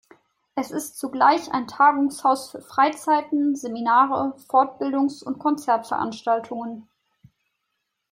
Es ist zugleich ein Tagungshaus für Freizeiten, Seminare, Fortbildungs- und Konzertveranstaltungen.